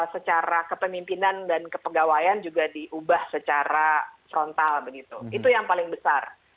secara kepemimpinan dan kepegawaian juga diubah secara frontal begitu itu yang paling besar